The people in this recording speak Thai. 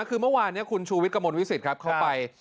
คือเมื่อวานคุณชูวิทย์กระมวลวิสิตเข้าไป